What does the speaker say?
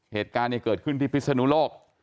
เหตุการณ์เกิดขึ้นที่พิศนุโลก